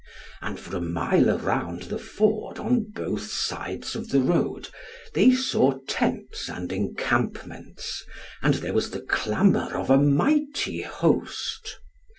And for a mile around the ford on both sides of the road, they saw tents and encampments, and there was the clamour of a mighty host.